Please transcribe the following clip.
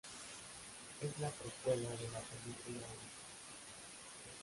Es la precuela de la película "Ouija".